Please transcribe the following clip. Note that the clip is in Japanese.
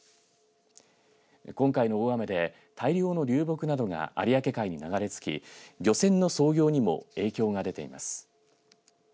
今回の大雨で大量の流木などが有明海に流れ着き漁船の操業にも影響が出ています。